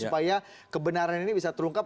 supaya kebenaran ini bisa terungkap